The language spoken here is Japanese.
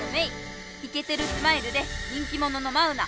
「『イ』ケてるスマイルで人気もののマウ『ナ』」！